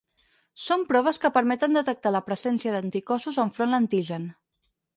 Són proves que permeten detectar la presència d'anticossos enfront l'antigen.